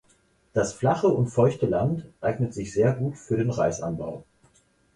Das flache und feuchte Land eignet sich sehr gut für den Reisanbau.